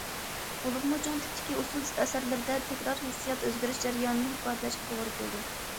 بولۇپمۇ چوڭ تىپتىكى ئۇسسۇل ئەسەرلىرىدە تەكرار ھېسسىيات ئۆزگىرىش جەريانىنى ئىپادىلەشكە توغرا كېلىدۇ.